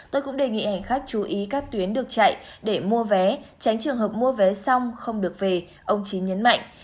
tôi cũng đề nghị hành khách chú ý các tuyến được chạy để mua vé tránh trường hợp mua vé xong không được về ông trí nhấn mạnh